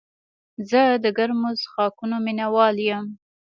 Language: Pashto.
زه د ګرمو څښاکونو مینه وال یم.